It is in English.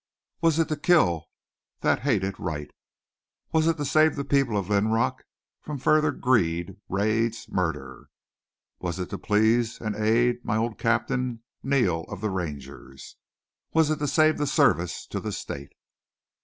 Was it to kill that hated Wright? Was it to save the people of Linrock from further greed, raids, murder? Was it to please and aid my old captain, Neal of the Rangers? Was it to save the Service to the State?